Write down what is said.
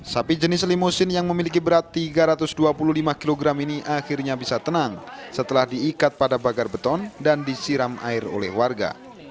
sapi jenis limusin yang memiliki berat tiga ratus dua puluh lima kg ini akhirnya bisa tenang setelah diikat pada bagar beton dan disiram air oleh warga